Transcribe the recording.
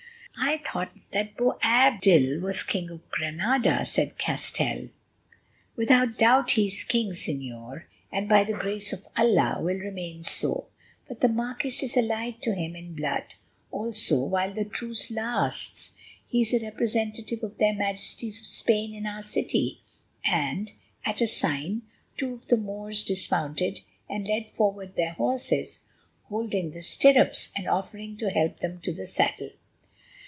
"I thought that Boabdil was king of Granada," said Castell. "Without doubt he is king, Señor, and by the grace of Allah will remain so, but the marquis is allied to him in blood; also, while the truce lasts, he is a representative of their Majesties of Spain in our city," and, at a sign, two of the Moors dismounted and led forward their horses, holding the stirrups, and offering to help them to the saddle.